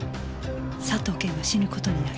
「佐藤謙は死ぬことになる」。